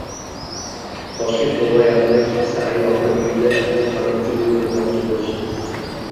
Toshkent viloyatida keksa ayolni uyida it boqqani uchun o‘ldirmoqchi bo‘lishdi